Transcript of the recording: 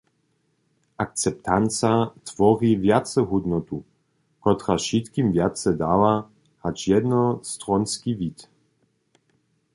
Akceptanca twori wjacehódnotu, kotraž wšitkim wjace dawa hač jednostronski wid.